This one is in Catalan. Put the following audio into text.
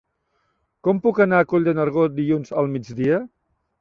Com puc anar a Coll de Nargó dilluns al migdia?